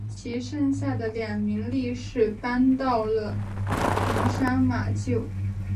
其剩下的两名力士搬到了桐山马厩。